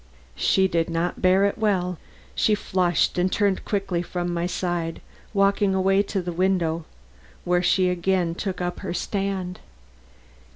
She did not bear it well. She flushed and turned quickly from my side, walking away to the window, where she again took up her stand.